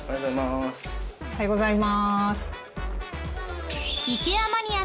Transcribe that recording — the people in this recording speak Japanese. おはようございます。